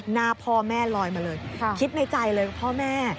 หน้าพ่อแม่ลอยมาเลยคิดในใจเลยพ่อแม่